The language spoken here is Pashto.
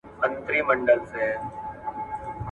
د ابدالیانو تاريخ د پښتنو د مېړانې او تورياليتوب داستان دی.